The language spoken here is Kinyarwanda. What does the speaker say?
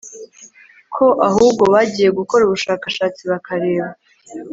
ko ahubwo bagiye gukora ubushakashatsi bakareba